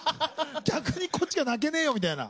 逆にこっちが泣けねえよみたいな。